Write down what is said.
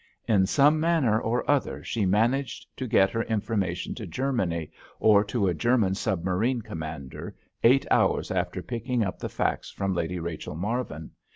In some manner or other she managed to get her information to Germany, or to a German submarine commander, eight hours after picking up the facts from Lady Rachel Marvin.